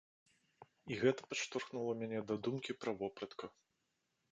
І гэта падштурхнула мяне да думкі пра вопратку.